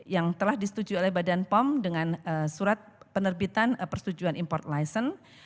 yang telah disetujui oleh badan pom dengan surat penerbitan persetujuan import license